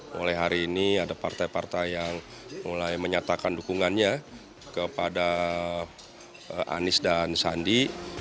mulai hari ini ada partai partai yang mulai menyatakan dukungannya kepada anies dan sandi